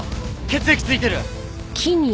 血液付いてる。